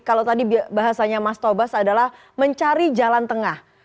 kalau tadi bahasanya mas tobas adalah mencari jalan tengah